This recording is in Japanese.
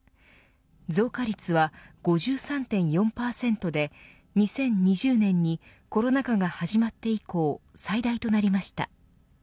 増加率は、５３．４％で２０２０年にコロナ禍が始まって以降最大となりました。